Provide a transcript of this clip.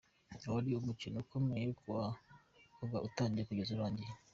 Wari umukino ukomeye kuva utangiye kugera urangiye.